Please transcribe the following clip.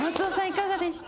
いかがでした？